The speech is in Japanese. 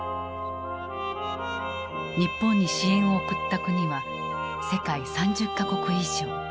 日本に支援を送った国は世界３０か国以上。